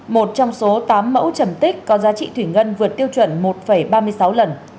một trong số tám mẫu trầm tích có giá trị thủy ngân vượt tiêu chuẩn một ba mươi sáu lần